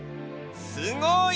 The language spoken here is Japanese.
すごい！